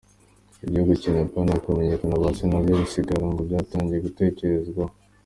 Ibyo gupima abana hakamenyekana ba se na byo i Gisagara ngo byatangiye gutekerezwaho.